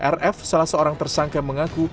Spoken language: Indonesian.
rf salah seorang tersangka mengaku